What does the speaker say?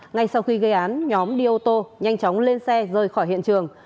ngay sau khi gây án nhóm đi ô tô nhanh chóng lên xe rời khỏi hiện trường